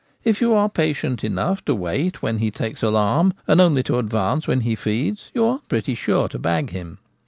If you are patient enough to wait when he takes alarm, and only to advance when he feeds, you are pretty sure to ' bag ' him.